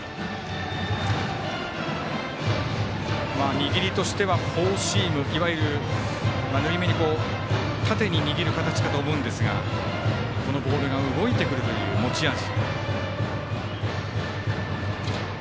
握りとしてはフォーシームいわゆる縫い目に縦に握る形だとは思うんですがこのボールが動いてくるという持ち味。